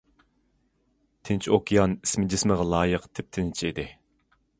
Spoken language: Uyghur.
تىنچ ئوكيان ئىسمى جىسمىغا لايىق‹‹ تىپتىنچ›› ئىدى.